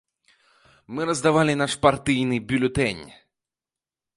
Мы раздавалі наш партыйны бюлетэнь.